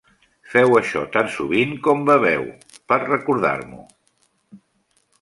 Feu això tan sovint com beveu, per recordar-m'ho.